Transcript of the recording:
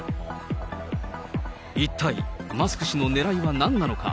一体マスク氏のねらいはなんなのか。